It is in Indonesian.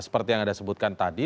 seperti yang anda sebutkan tadi